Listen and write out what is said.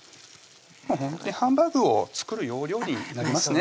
ほんとにハンバーグを作る要領になりますね